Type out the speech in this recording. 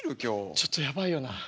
ちょっとやばいよな。